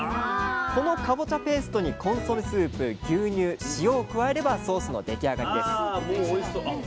このかぼちゃペーストにコンソメスープ牛乳塩を加えればソースの出来上がりです。